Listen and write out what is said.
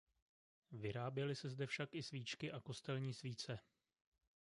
Vyráběly se zde však i svíčky a kostelní svíce.